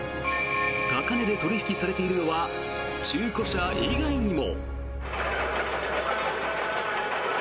高値で取引されているのは中古車以外にも。